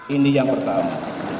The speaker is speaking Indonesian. ini yang pertama